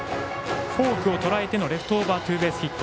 フォークをとらえてのレフトオーバーツーベースヒット。